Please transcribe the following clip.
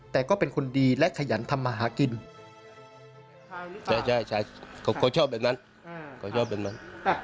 แต่ก็เป็นคนดีและขยันทำมาหากิน